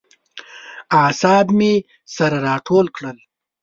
اعصاب مې سره راټول کړل.